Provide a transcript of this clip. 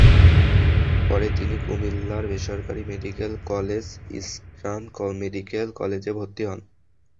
পরে তিনি কুমিল্লার বেসরকারি মেডিকেল কলেজ ইস্টার্ন মেডিকেল কলেজে ভর্তি হন।